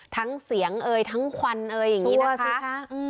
ทั้งเสียงเอ่ยทั้งควันเอ่ยอย่างงี้นะคะตัวสิคะอืม